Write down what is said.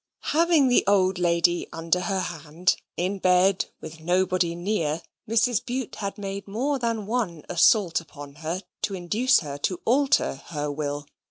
Having the old lady under her hand: in bed: with nobody near, Mrs. Bute had made more than one assault upon her, to induce her to alter her will.